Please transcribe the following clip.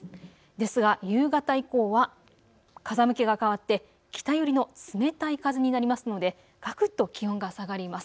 ですが夕方以降は風向きが変わって北寄りの冷たい風になりますのでがくっと気温が下がります。